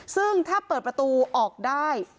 ซึ่งถ้าเปิดประตูออกได้